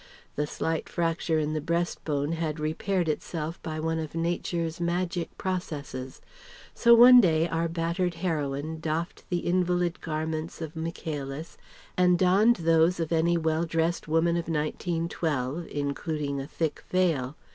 The slight fracture in the breastbone had repaired itself by one of Nature's magic processes. So one day our battered heroine doffed the invalid garments of Michaelis and donned those of any well dressed woman of 1912, including a thick veil.